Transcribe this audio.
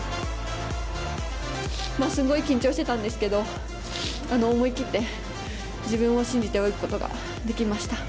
すんごい緊張してたんですけど、思い切って自分を信じて泳ぐことができました。